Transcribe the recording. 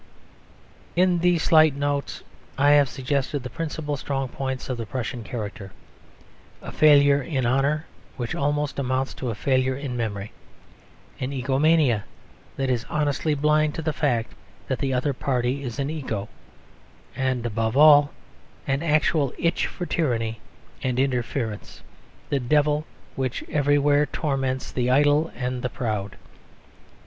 In these slight notes I have suggested the principal strong points of the Prussian character. A failure in honour which almost amounts to a failure in memory: an egomania that is honestly blind to the fact that the other party is an ego; and, above all, an actual itch for tyranny and interference, the devil which everywhere torments the idle and the proud.